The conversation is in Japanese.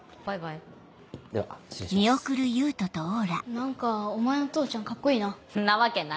何かお前の父ちゃんカッコいいな。